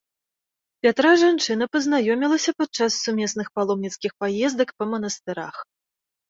Пятра жанчына пазнаёмілася падчас сумесных паломніцкіх паездак па манастырах.